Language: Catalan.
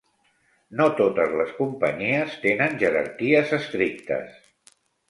No totes les companyies tenen jerarquies estrictes.